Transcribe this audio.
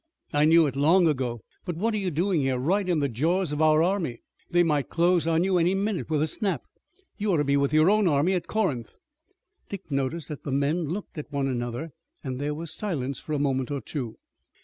"I knew it long ago, but what are you doing here, right in the jaws of our army? They might close on you any minute with a snap. You ought to be with your own army at Corinth." Dick noticed that the men looked at one another, and there was silence for a moment or two.